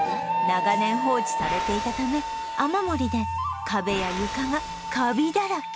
長年放置されていたため雨漏りで壁や床がカビだらけ